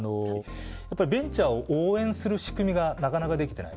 ベンチャーを応援する仕組みがなかなか出来てない。